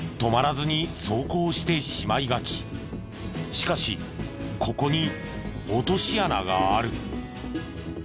しかしここに落とし穴がある。